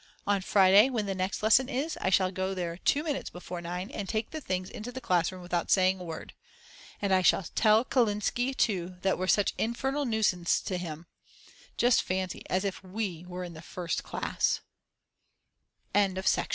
On Friday, when the next lesson is, I shall go there 2 minutes before nine and take the things into the class room without saying a word. And I shall tell Kalinsky too that we're such an infernal nuisance to him. Just fancy, as if we were in the First Class! January 1st, 19